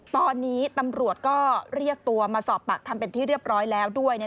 ตอนนี้ตำรวจก็เรียกตัวมาสอบปากคำเป็นที่เรียบร้อยแล้วด้วย